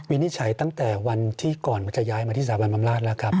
นิจฉัยตั้งแต่วันที่ก่อนมันจะย้ายมาที่สถาบันบำราชแล้วครับ